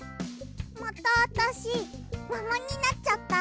またあたしももになっちゃった。